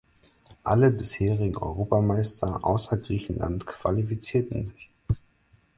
Alle bisherigen Europameister außer Griechenland qualifizierten sich.